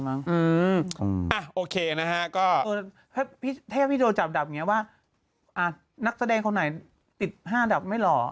มันเป็นไรครับ